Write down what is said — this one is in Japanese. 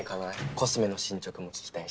コスメの進捗も聞きたいし。